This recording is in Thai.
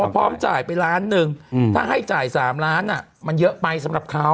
พร้อมจ่ายไปล้านหนึ่งถ้าให้จ่าย๓ล้านมันเยอะไปสำหรับเขา